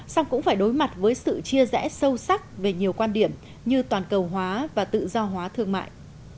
song cũng phải đối mặt với sự chia rẽ sâu sắc về nhiều quan điểm như toàn cầu hóa và tự do hóa thương mại